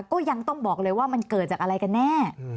ก็ยังต้องบอกเลยว่ามันเกิดจากอะไรกันแน่